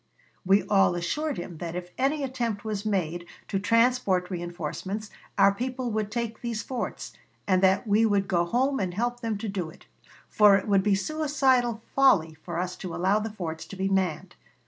"We all assured him that if an attempt was made to transport reënforcements, our people would take these forts, and that we would go home and help them to do it; for it would be suicidal folly for us to allow the forts to be manned.